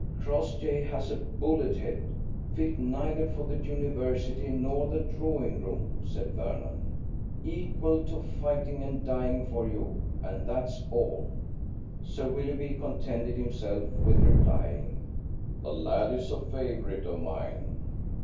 "Crossjay has a bullet head, fit neither for the University nor the drawing room," said Vernon; "equal to fighting and dying for you, and that's all." Sir Willoughby contented himself with replying, "The lad is a favourite of mine."